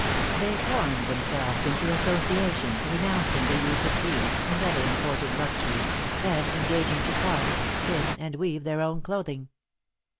They formed themselves into associations renouncing the use of teas, and other imported luxuries, and engaging to card, spin, and weave their own clothing.